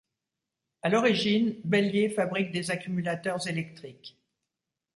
À l'origine, Bellier fabrique des accumulateurs électriques.